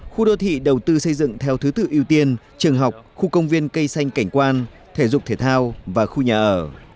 khu đô thị đầu tư xây dựng theo thứ tự ưu tiên trường học khu công viên cây xanh cảnh quan thể dục thể thao và khu nhà ở